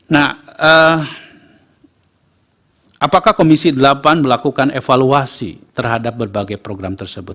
nah apakah komisi delapan melakukan evaluasi terhadap berbagai program tersebut